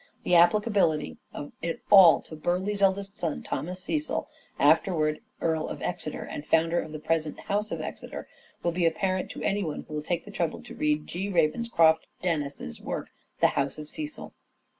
The applicability of it all to Burleigh's eldest son Thomas Cecil, afterwards Earl of Exeter, and founder of the present house of Exeter, will be apparent to any one who will take the trouble to read G. Ravenscroft Dennis's work on " The House of Cecil."